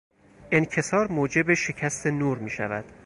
انکسار موجب شکست نور میشود.